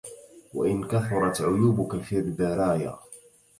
وإن كثرت عيوبك في البرايا